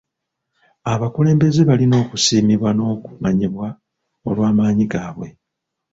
Abakulembeze balina okusiimibwa n'okumanyibwa olw'amaanyi gaabwe.